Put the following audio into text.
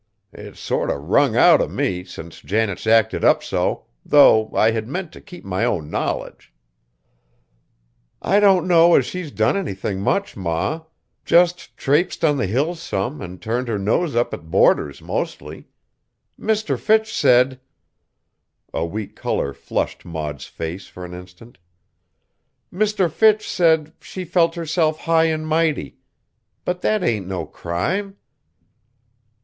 It's sort o' wrung out of me, since Janet's acted up so, though I had meant t' keep my own knowledge." "I don't know as she's done anything much, Ma; jest trapsed on the Hills some an' turned her nose up at boarders mostly. Mr. Fitch said," a weak color flushed Maud's face for an instant, "Mr. Fitch said she felt herself high an' mighty. But that ain't no crime."